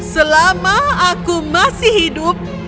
selama aku masih hidup